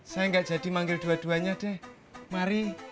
saya enggak jadi manggil dua duanya deh mari